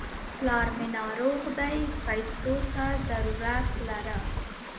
پلار مې ناروغ دی، پيسو ته ضرورت لرم.